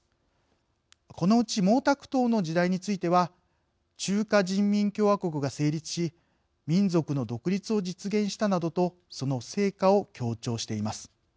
このうち毛沢東の時代については「中華人民共和国が成立し民族の独立を実現した」などとその成果を強調しています。